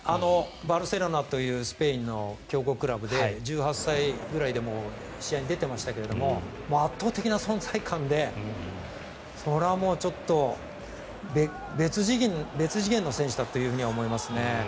バルセロナというスペインの強豪クラブで１８歳ぐらいで試合に出てましたけど圧倒的な存在感でそれはもう別次元の選手だというふうには思いますね。